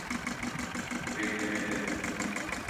Beklemede.